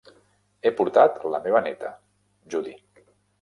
He portat la meva neta, Judy.